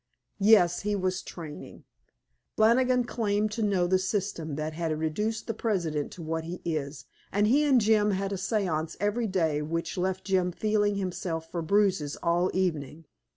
Yes, he was training. Flannigan claimed to know the system that had reduced the president to what he is, and he and Jim had a seance every day which left Jim feeling himself for bruises all evening.